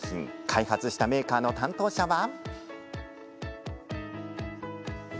開発したメーカーの担当者は。